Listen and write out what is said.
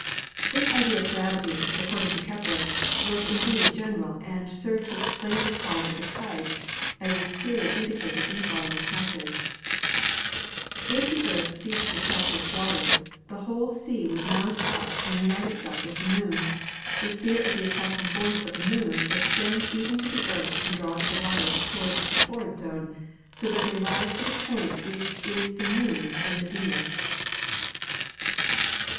This idea of gravity, according to Kepler, was indeed general and served to explain the cause of the tides, as is clearly indi cated in the following passage: "If the Earth ceased to attract its waters, the whole sea would mount up and unite itself with the Moon. The sphere of the attracting force of the Moon ex tends even to the Earth and draws the waters toward the torrid zone, so that they rise to the point which is the Moon in the zenith."